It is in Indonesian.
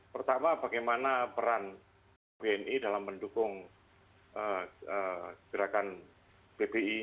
pertama bagaimana peran bni dalam mendukung gerakan bpi ini